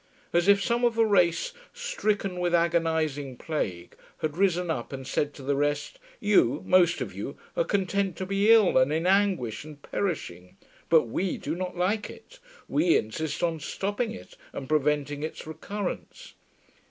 As if some of a race stricken with agonising plague had risen up and said to the rest, 'You, most of you, are content to be ill and in anguish and perishing. But WE do not like it. WE insist on stopping it and preventing its recurrence.'